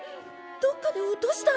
どっかで落とした！？